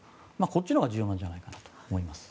こっちのほうが重要じゃないかなと思います。